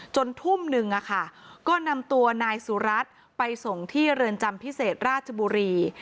ทุ่มนึงก็นำตัวนายสุรัตน์ไปส่งที่เรือนจำพิเศษราชบุรี